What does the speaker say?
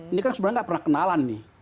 ini kan sebenarnya nggak pernah kenalan nih